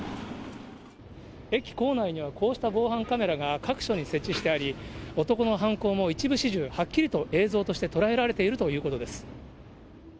駅構内にはこうした防犯カメラが各所に設置してあり、男の犯行も、一部始終はっきりと映像として捉えられているということです。